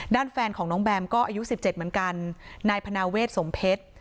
ด้านแฟนของน้องแบมก็อายุ๑๗เหมือนกันนายพนาเวทสมเพชร